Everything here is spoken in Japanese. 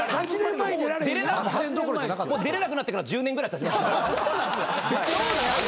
もう出れなくなってから１０年ぐらいたちました。